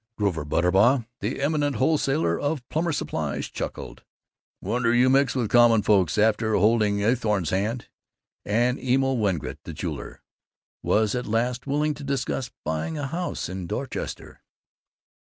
Grover Butterbaugh, the eminent wholesaler of plumbers' supplies, chuckled, "Wonder you mix with common folks, after holding Eathorne's hand!" And Emil Wengert, the jeweler, was at last willing to discuss buying a house in Dorchester.